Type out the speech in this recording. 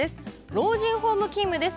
老人ホーム勤務です。